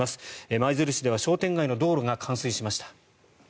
舞鶴市では商店街の道路が冠水しました。